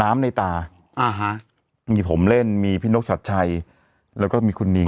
น้ำในตาอ่าฮะมีผมเล่นมีพี่นกชัดชัยแล้วก็มีคุณนี